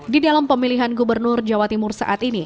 di dalam pemilihan gubernur jawa timur saat ini